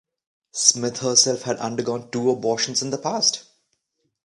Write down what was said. Smith herself had undergone two abortions in the past.